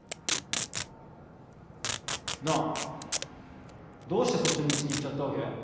なあどうしてそっちの道に行っちゃったわけ？